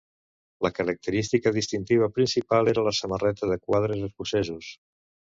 La característica distintiva principal era la samarreta de quadres escocesos.